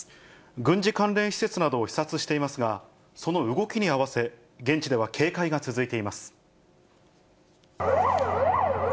軍事関連施設などを視察していますが、その動きに合わせ、現地では警戒が続いています。